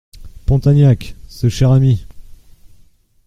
Pontagnac ! ce cher ami !